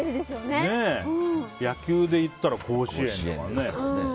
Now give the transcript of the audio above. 野球でいったら甲子園だからね。